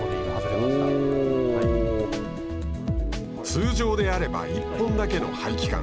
通常であれば１本だけの排気管。